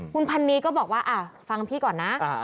คุณพันนีก็บอกว่าฟังพี่ก่อนนะ